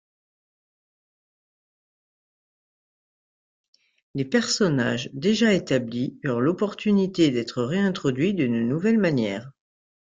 Les personnages déjà établis eurent l'opportunité d'être réintroduis d'une nouvelle manière.